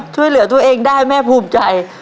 ช่วยเหลือตัวเองได้แม่ภูมิใจ